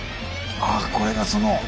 あっこれがその？